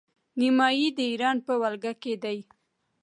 نیمايي د ایران په ولکه کې دی.